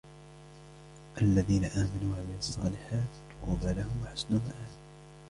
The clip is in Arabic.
الَّذِينَ آمَنُوا وَعَمِلُوا الصَّالِحَاتِ طُوبَى لَهُمْ وَحُسْنُ مَآبٍ